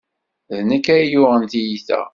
D nekk ay yuɣen tiyita.